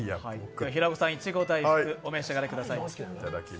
平子さんいちご大福お召し上がりください。